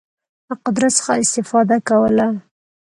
له قدرت څخه استفاده کوله.